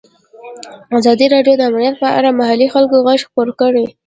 ازادي راډیو د امنیت په اړه د محلي خلکو غږ خپور کړی.